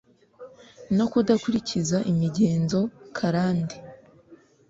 no kudakurikiza imigenzo karande